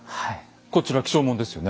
こちら起請文ですよね。